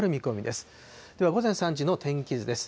では午前３時の天気図です。